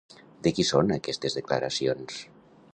De qui són aquestes declaracions?